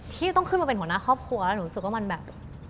ที่ต้องขึ้นมาเป็นหัวหน้าครอบครัวแล้วหนูรู้สึกว่ามันแบบ